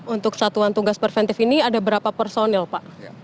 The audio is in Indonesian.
untuk satuan tugas preventif ini ada berapa personil pak